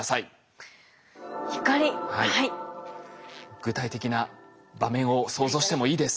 具体的な場面を想像してもいいです。